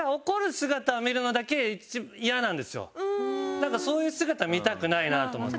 なんかそういう姿見たくないなと思って。